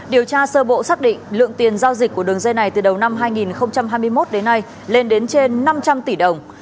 điều tra sơ bộ xác định lượng tiền giao dịch của đường dây này từ đầu năm hai nghìn hai mươi một đến nay lên đến trên năm trăm linh tỷ đồng